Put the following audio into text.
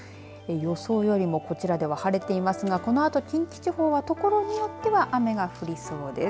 予想よりもこちらでは晴れていますがこのあと近畿地方はところによっては雨が降りそうです。